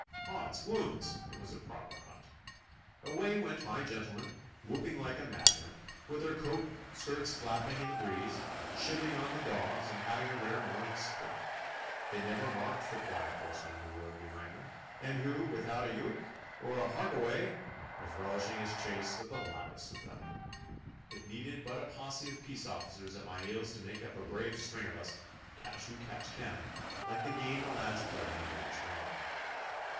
Odd's wouns! it was a proper hunt. Away went my gentlemen, whooping like madmen, with their coat skirts flapping in the breeze, chivying on the dogs, and having a rare morning's sport. They never marked the quiet horseman who rode behind them, and who without a "yoick!" or "hark a way!" was relishing his chase with the loudest of them. It needed but a posse of peace officers at my heels to make up a brave string of us, catch who catch can, like the game the lads play on the village green.